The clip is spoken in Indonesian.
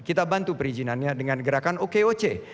kita bantu perizinannya dengan gerakan okoc